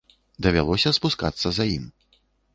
Давялося спускацца за ім.